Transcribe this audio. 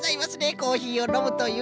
コーヒーをのむというのは。